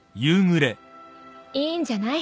いいんじゃない？